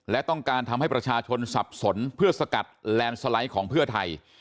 และต้องการทำให้ประชาชนสับสนเพื่อสกัดแลนด์สไลด์ของเพื่อไทย